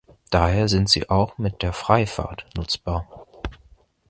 Daher sind sie auch mit der "Freifahrt" nutzbar.